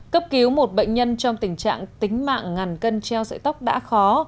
cấp cứu một bệnh nhân trong tình trạng tính mạng ngàn cân treo sợi tóc đã khó